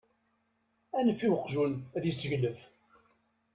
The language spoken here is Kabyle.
Anef i uqjun, ad isseglef!